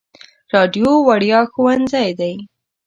راډیو وړیا ښوونځی دی.